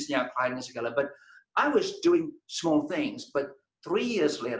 saya berkata saya ingin menjadi salah satu dari yang terbaik yang bisa saya menjadi